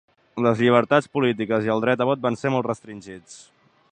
Les llibertats polítiques i el dret a vot van ser molt restringits.